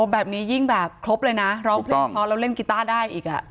แบบนี้ยิ่งแบบครบเลยนะร้องเพลงเพราะแล้วเล่นกีต้าได้อีก